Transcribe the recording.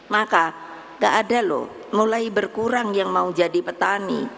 maka gak ada loh mulai berkurang yang mau jadi petani